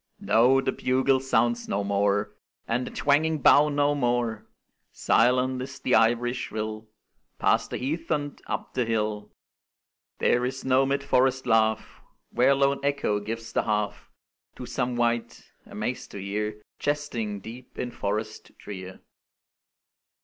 No, the bugle sounds no more, And the twanging bow no more; Silent is the ivory shrill Past the heath and up the hill; There is no mid forest laugh, Where lone Echo gives the half To some wight, amaz'd to hear Jesting, deep in forest drear.